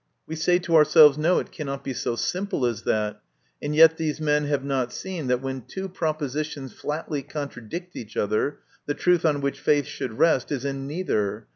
We say to ourselves, "No, it cannot be so simple as that, and yet these men have not seen that when two propositions flatly con tradict each other, the truth on which faith should rest is in neither.